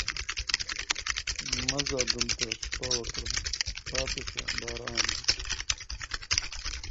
Zinc sulfide is the material Rutherford used to perform his scattering experiment.